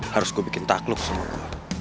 harus gue bikin takluk semua